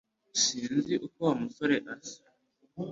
Sinzi uko Wa musore asa